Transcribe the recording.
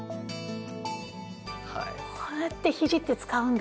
こうやってひじって使うんだ。